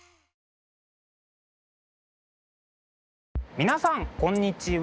皆さんこんにちは。